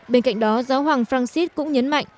bên cạnh đó giáo hoàng francis cũng nhấn mạnh